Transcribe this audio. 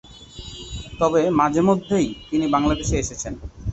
তবে মাঝেমধ্যেই তিনি বাংলাদেশে এসেছেন।